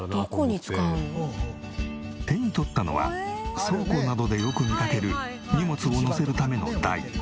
手に取ったのは倉庫などでよく見かける荷物をのせるための台パレット。